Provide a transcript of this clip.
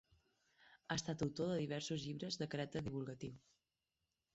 Ha estat autor de diversos llibres de caràcter divulgatiu.